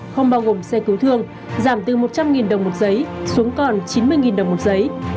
không bao gồm xe cứu thương giảm từ một trăm linh đồng một giấy xuống còn chín mươi đồng một giấy